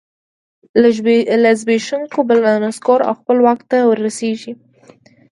له زبېښونکو بنسټونو بل رانسکور او خپله واک ته ورسېږي